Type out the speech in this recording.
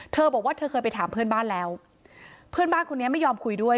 เธอบอกว่าเธอเคยไปถามเพื่อนบ้านแล้วเพื่อนบ้านคนนี้ไม่ยอมคุยด้วย